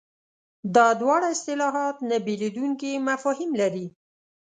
دا دواړه اصطلاحات نه بېلېدونکي مفاهیم لري.